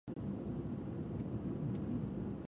لوستې میندې د ماشوم عادتونه سموي.